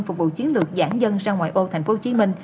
phục vụ chiến lược giãn dân sang ngoài ô tp hcm